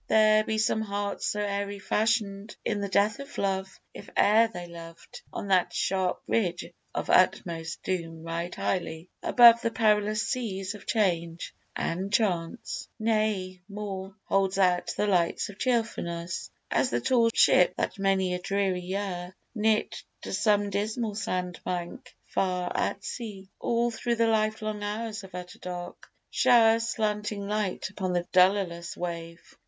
There be some hearts so airy fashioned, That in the death of love, if e'er they loved, On that sharp ridge of utmost doom ride highly Above the perilous seas of change and chance; Nay, more, holds out the lights of cheerfulness; As the tall ship, that many a dreary year Knit to some dismal sandbank far at sea, All through the lifelong hours of utter dark, Showers slanting light upon the dolorous wave.